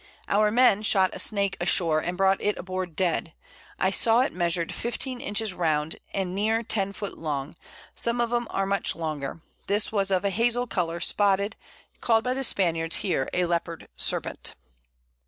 Our Men shot a Snake ashore, and brought it aboard dead; I saw it measured 15 Inches round, and near 10 Foot long; some of 'em are much larger; this was of a hazle colour, and spotted, called by the Spaniards here a Leopard Serpent.